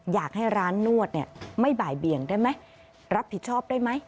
อยากให้ร้านนวดเนี่ยไม่บ่ายเบียงได้ไหมรับผิดชอบได้ไหม